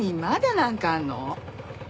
まだなんかあるの？